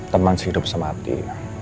teman sehidup semati